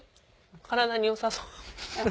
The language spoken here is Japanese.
体に良さそう？